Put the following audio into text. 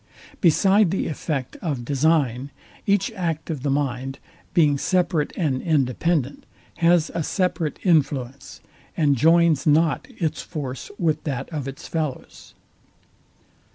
Beside the effect of design; each act of the mind, being separate and independent, has a separate influence, and joins not its force with that of its fellows.